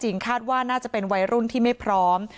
คาดว่าน่าจะเป็นวัยรุ่นที่ไม่พร้อม